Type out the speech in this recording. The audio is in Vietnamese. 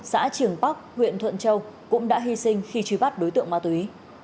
xã trường bắc huyện thuận châu cũng đã hy sinh khi truy bắt đối tượng ma túy